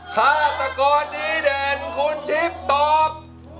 ฆาตกรดีเด่นคุณทิพย์ตอบ